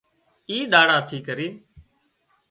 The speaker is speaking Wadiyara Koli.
اِي ۮاڙا ٿِي ڪرينَ